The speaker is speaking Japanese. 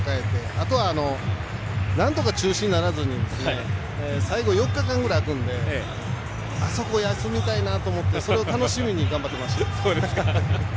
あとは、なんとか中止にならずに最後４日間ぐらい空くのであそこ休みたいなと思ってそれを楽しみに頑張っていました。